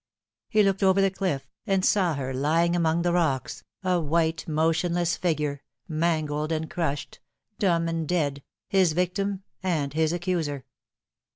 He looked over the cliff, and saw her lying among the rocks, a white motionless figure, mangled and crushed, dumb and dead, his victim and his accuser.